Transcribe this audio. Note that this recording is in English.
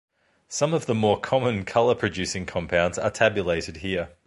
Some of the more common color-producing compounds are tabulated here.